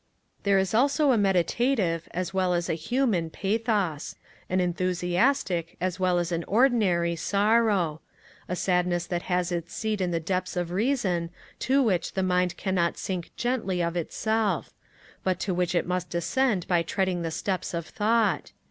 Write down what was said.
There is also a meditative, as well as a human, pathos; an enthusiastic, as well as an ordinary, sorrow; a sadness that has its seat in the depths of reason, to which the mind cannot sink gently of itself but to which it must descend by treading the steps of thought.